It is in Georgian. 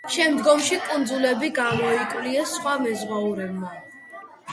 შემდგომში კუნძულები გამოიკვლიეს სხვა მეზღვაურებმა.